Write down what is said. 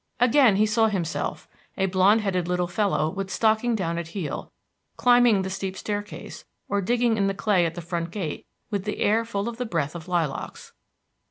Again he saw himself, a blond headed little fellow with stocking down at heel, climbing the steep staircase, or digging in the clay at the front gate with the air full of the breath of lilacs.